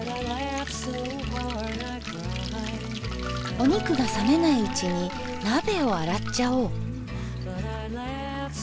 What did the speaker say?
お肉が冷めないうちに鍋を洗っちゃおう。